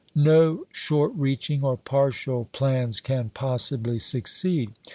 No short reaching or partial plans can possibly succeed.